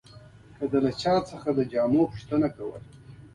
که د چا څخه د جامو پوښتنه کوله.